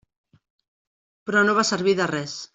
Però no va servir de res.